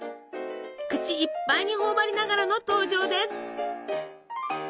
口いっぱいに頬張りながらの登場です！